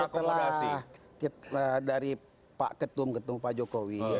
setelah dari pak ketum ketum pak jokowi